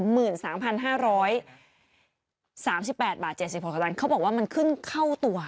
๓๘บาท๗๖ตัวตัวตัวเขาบอกว่ามันขึ้นเข้าตัว